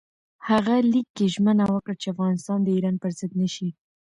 هغه لیک کې ژمنه وکړه چې افغانستان د ایران پر ضد نه شي.